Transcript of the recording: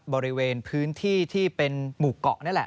บริเวณพื้นที่ที่เป็นหมู่เกาะนี่แหละ